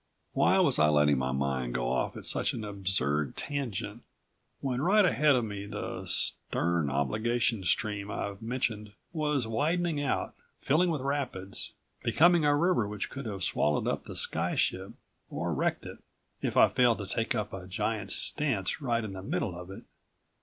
Why was I letting my mind go off at such an absurd tangent, when right ahead of me the stern obligation stream I've mentioned was widening out, filling with rapids, becoming a river which could have swallowed up the sky ship, or wrecked it ... if I failed to take up a giant's stance right in the middle of it.